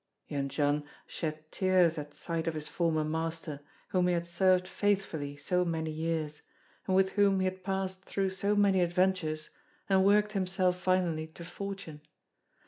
Jendzian shed tears at sight of his former master, whom he had served faithfully so many years; and with whom he had passed through so many adventures and worked himself finally to fortune.